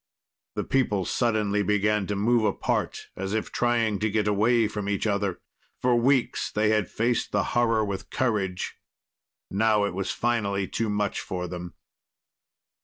The people suddenly began to move apart, as if trying to get away from each other. For weeks they had faced the horror with courage; now it was finally too much for them.